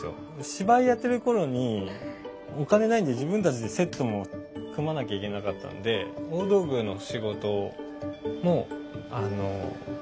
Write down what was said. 芝居やってる頃にお金ないんで自分たちでセットも組まなきゃいけなかったんで大道具の仕事もあの勉強してて。